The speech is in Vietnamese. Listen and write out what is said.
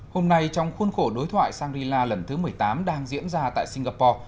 hôm nay trong khuôn khổ đối thoại shangri la lần thứ một mươi tám đang diễn ra tại singapore